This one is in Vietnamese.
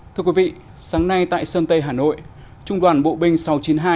thưa quý vị sáng nay tại sơn tây hà nội trung đoàn bộ binh sáu trăm chín mươi hai